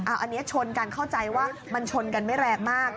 อันนี้ชนกันเข้าใจว่ามันชนกันไม่แรงมาก